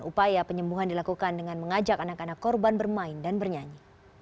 upaya penyembuhan dilakukan dengan mengajak anak anak korban bermain dan bernyanyi